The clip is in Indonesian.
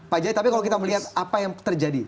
pak jai tapi kalau kita melihat apa yang terjadi